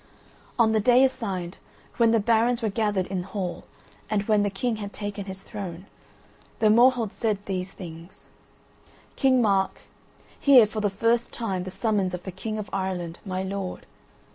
On the day assigned, when the barons were gathered in hall, and when the King had taken his throne, the Morholt said these things: "King Mark, hear for the last time the summons of the King of Ireland, my lord.